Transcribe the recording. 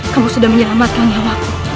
kamu sudah menyelamatkan nyawaku